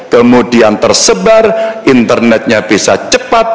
kemudian tersebar internetnya bisa cepat